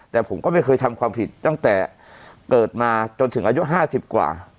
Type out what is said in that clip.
แต่ผมก็ไม่เคยทำความผิดตั้งแต่เกิดมาจนถึงอายุ๕๐กว่า